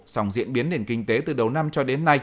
song diễn biến nền kinh tế từ đầu năm cho đến nay